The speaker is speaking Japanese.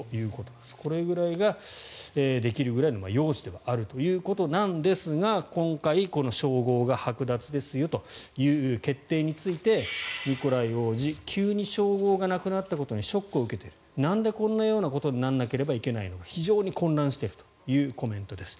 これぐらいができるぐらいの容姿ではあるということなんですが今回、この称号がはく奪ですよという決定についてニコライ王子急に称号がなくなったことにショックを受けているなんでこんなようなことにならなければいけないのか非常に混乱しているというコメントです。